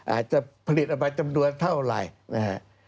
อาจจะผลิตออกมาจำนวนเท่าไหร่นะฮะ